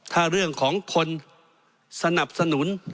ถ้าเรื่องของคนสนับสนุน